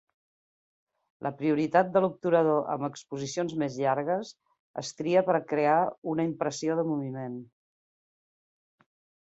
La prioritat de l'obturador amb exposicions més llargues es tria per crear una impressió de moviment.